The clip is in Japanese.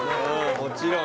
もちろん。